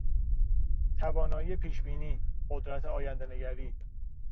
توانایی پیشبینی، قدرت آیندهنگری